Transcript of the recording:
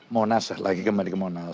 monas lagi kembali ke monas